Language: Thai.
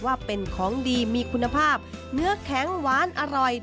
ว่าเป็นของดีมีคุณภาพเนื้อแข็งหวานอร่อย